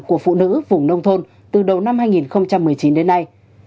của phụ nữ vùng nông thôn từ đầu năm hai nghìn một mươi chín đến nay